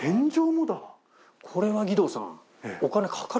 これは義堂さん。